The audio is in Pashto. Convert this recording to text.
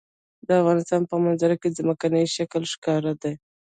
د افغانستان په منظره کې ځمکنی شکل ښکاره دی.